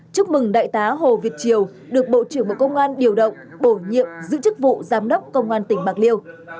chúc mừng đại tá hồ việt triều được bộ trưởng bộ công an điều động bổ nhiệm giữ chức vụ giám đốc công an tỉnh bạc liêu